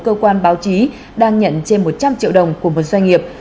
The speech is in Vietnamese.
cơ quan báo chí đang nhận trên một trăm linh triệu đồng của một doanh nghiệp